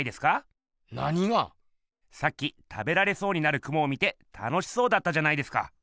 さっき食べられそうになるクモを見て楽しそうだったじゃないですか。